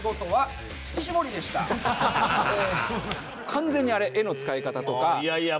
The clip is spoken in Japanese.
完全にあれ絵の使い方とかテンポとか。